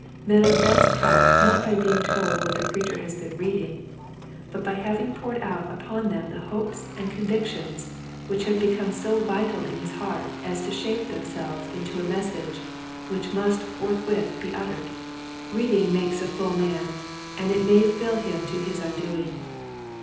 Men are best helped not by being told what the preacher has been reading, but by having poured OTit Books and Reading. 187 upon them the hopes and convictions which have become so vital in his heart as to shape themselves into a message which must forthwith be uttered. Reading makes a full man and it may fill him to his undoing.